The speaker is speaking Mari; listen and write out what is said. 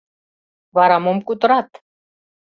— Вара мом кутырат?